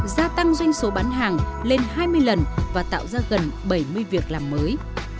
gia tăng doanh số bán hàng lên hai mươi lần và tạo ra gần bảy mươi việc làm mới